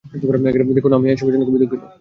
দেখুন, আমি এসবের জন্য খুবই দুঃখিত।